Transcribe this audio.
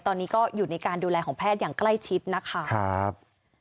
ตอนนี้ก็อยู่ในการดูแลของแพทย์อย่างใกล้ชิดนะคะครับ